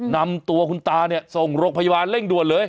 นำตัวคุณตาเนี่ยส่งโรงพยาบาลเร่งด่วนเลย